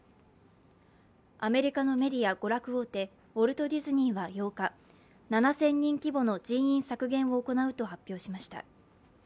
アメリカのメディア・娯楽大手ウォルト・ディズニーは８日７０００人規模の人員削減を行うと発表しました。